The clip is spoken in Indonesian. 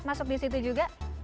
masuk di situ juga